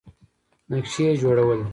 نقشې یې جوړولې.